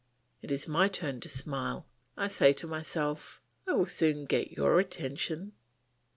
It is my turn to smile, and I say to myself, "I will soon get your attention."